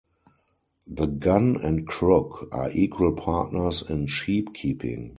The gun and crook are equal partners in sheep keeping.